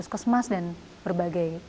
ke sma dan berbagai